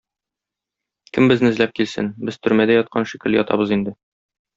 Кем безне эзләп килсен, без төрмәдә яткан шикелле ятабыз инде.